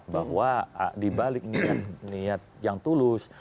bahwa dibalik niat niat yang tulus